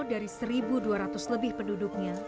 dari satu dua ratus lebih penduduknya